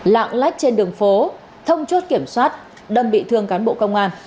lạng lách trên đường phố thông chốt kiểm soát đâm bị thương cán bộ công an